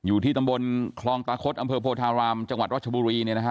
อยู่ที่ตำบลคลองตะคดอำเภอโพธารามจังหวัดรัชบุรี